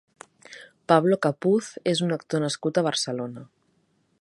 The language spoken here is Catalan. Pablo Capuz és un actor nascut a Barcelona.